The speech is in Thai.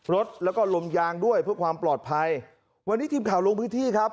รถแล้วก็ลมยางด้วยเพื่อความปลอดภัยวันนี้ทีมข่าวลงพื้นที่ครับ